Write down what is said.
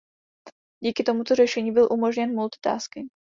Díky tomuto řešení byl umožněn multitasking.